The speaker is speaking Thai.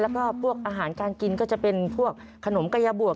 แล้วก็พวกอาหารการกินก็จะเป็นพวกขนมกายบวก